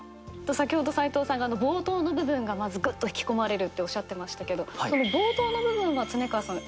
先ほど斉藤さんが冒頭の部分がまずグッと引き込まれるっておっしゃってましたけど冒頭の部分は恒川さん